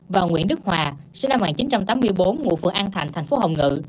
và nguyễn đức hòa sinh năm một nghìn chín trăm tám mươi bốn ngụ phường an thạnh thành phố hồng ngự